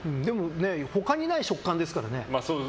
他にない食感ですからね。